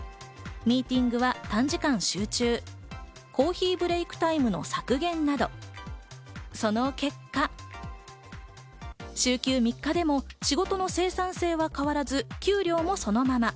ミーティングは短時間集中、コーヒーブレイクタイムの削減などその結果、週休３日でも仕事の生産性は変わらず給料もそのまま。